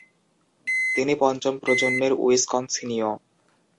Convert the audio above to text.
তিনি পঞ্চম প্রজন্মের উইসকনসিনীয়।